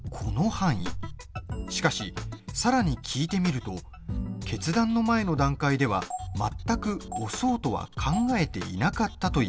しかし、さらに聞いてみると決断の前の段階では全く押そうとは考えていなかったといいます。